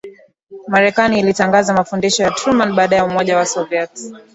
Marekani ilitangaza Mafundisho ya Truman baada ya Umoja wa Soviet